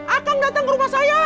akan datang ke rumah saya